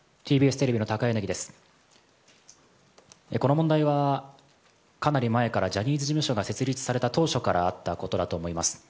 この問題はかなり前からジャニーズ事務所が設立された当初からあったことだと思います。